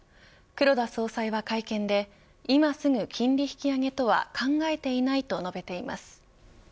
黒田総裁は会見で今すぐ金利引き上げとは考えていないと述べています。